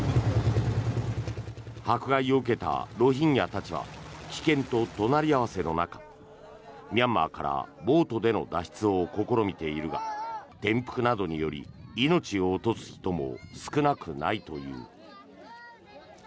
迫害を受けたロヒンギャたちは危険と隣り合わせの中ミャンマーからボートでの脱出を試みているが転覆などにより命を落とす人も少なくないという。